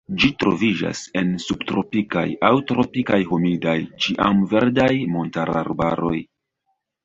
Ĝi troviĝas en subtropikaj aŭ tropikaj humidaj ĉiamverdaj montararbaroj.